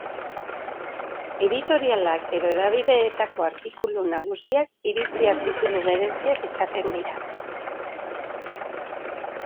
Editorialak edo hedabideetako artikulu nagusiak, iritzi artikulu bereziak izaten dira.